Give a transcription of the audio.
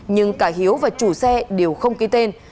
nhưng cả hiếu và chủ xe đều không ký tên